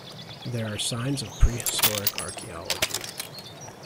There are signs of prehistoric archaeology.